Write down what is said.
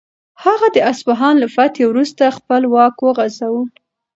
هغه د اصفهان له فتحې وروسته خپل واک وغځاوه.